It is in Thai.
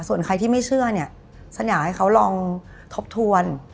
ส่วนใครที่ไม่เชื่อเนี่ยฉันอยากให้เขาลองทบทวน